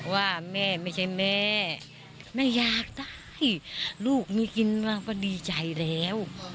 ว่าแม่ไม่ใช่แม่แม่อยากได้ลูกมีกินบ้างก็ดีใจแล้ว